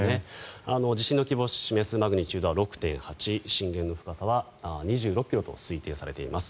地震の規模を示すマグニチュードは６．８震源の深さは２６ｋｍと推定されています。